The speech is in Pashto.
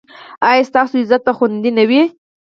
ایا ستاسو عزت به خوندي نه وي؟